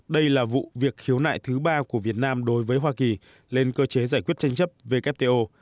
đây là vụ việc khiếu nại thứ ba của việt nam đối với hoa kỳ lên cơ chế giải quyết tranh chấp wto